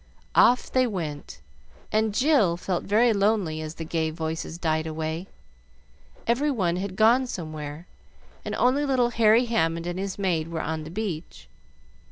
Off they went, and Jill felt very lonely as the gay voices died away. Every one had gone somewhere, and only little Harry Hammond and his maid were on the beach.